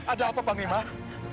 ada apa pangeran